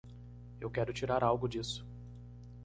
Eu quero tirar algo disso.